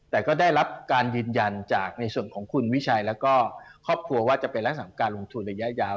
แต่ก็ได้รับการยืนยันจากในส่วนของคุณวิชัยแล้วก็ครอบครัวว่าจะเป็นลักษณะของการลงทุนระยะยาว